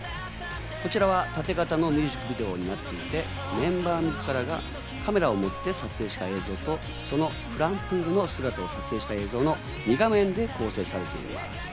こちらは縦型のミュージックビデオになっていて、メンバーみずからがカメラを持って撮影した映像と、そのｆｌｕｍｐｏｏｌの撮影した映像と、２画面で構成されています。